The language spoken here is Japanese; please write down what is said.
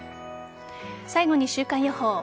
最後に週間予報。